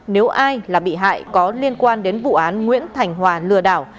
nếu ai là bị hại có liên quan đến vụ án nguyễn thành hòa lừa đảo